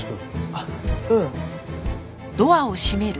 あっううん。